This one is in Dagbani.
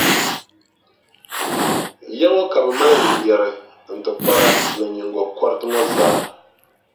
Ya ŋɔ ka bɛ maali n yɛri, n tibikpara ni n nyiŋgokɔriti ŋɔ zaa.